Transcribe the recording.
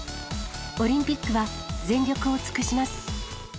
オリンピックは全力を尽くします。